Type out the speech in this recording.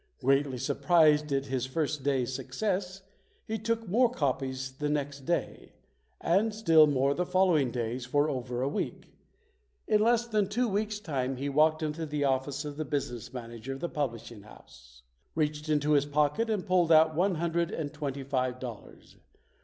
Greatly surprised at his first day's success, he took more copies the next day, and still more the following days for over a week. In less than two weeks' time, he walked into the office of the business manager of the publishing house, reached into his pocket and pulled out one hundred and twenty five dollars.